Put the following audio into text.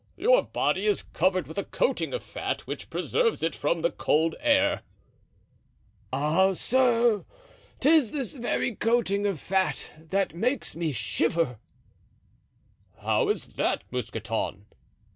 your body is covered with a coating of fat which preserves it from the cold air." "Ah! sir, 'tis this very coating of fat that makes me shiver." "How is that, Mousqueton?